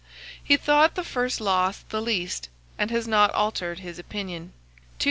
He thought the first loss the least, and has not altered his opinion. 2714.